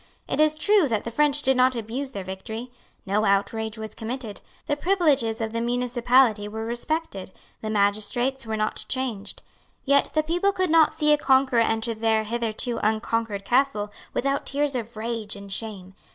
It is true that the French did not abuse their victory. No outrage was committed; the privileges of the municipality were respected, the magistrates were not changed. Yet the people could not see a conqueror enter their hitherto unconquered castle without tears of rage and shame.